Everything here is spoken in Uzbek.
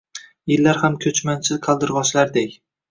Yillar ham ko’chmanchi qaldirg’ochlardek